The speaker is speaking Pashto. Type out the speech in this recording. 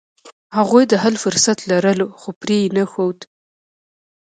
هغوی د حل فرصت لرلو، خو پرې یې نښود.